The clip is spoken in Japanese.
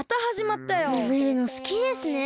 もめるのすきですね。